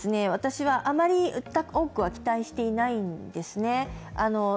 私はあまり多くは期待していないんですね。